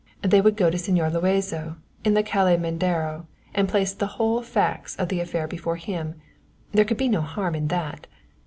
They would go to Señor Luazo in the Calle Mendaro, and place the whole facts of the affair before him. There could be no harm in that.